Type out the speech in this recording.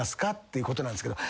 いうことなんですけど。